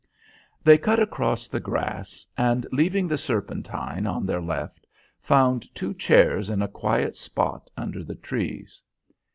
They cut across the grass and, leaving the Serpentine on their left, found two chairs in a quiet spot under the trees.